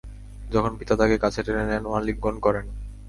তখন পিতা তাকে কাছে টেনে নেন ও আলিঙ্গন করেন।